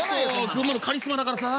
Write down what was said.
群馬のカリスマだからさ。